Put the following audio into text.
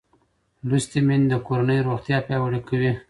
لوستې میندې د کورنۍ روغتیا پیاوړې کوي